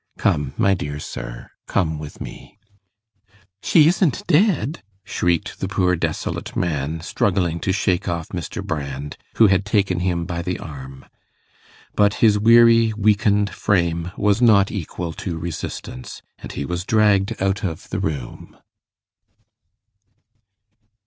Come, my dear sir, come with me.' 'She isn't dead?' shrieked the poor desolate man, struggling to shake off Mr. Brand, who had taken him by the arm. But his weary weakened frame was not equal to resistance, and he was dragged out of the room.